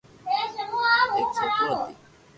ايڪ سوڪرو ھتي